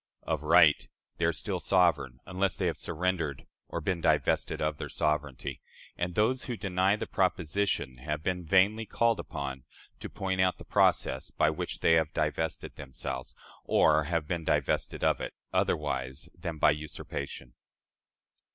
Of right, they are still sovereign, unless they have surrendered or been divested of their sovereignty; and those who deny the proposition have been vainly called upon to point out the process by which they have divested themselves, or have been divested of it, otherwise than by usurpation.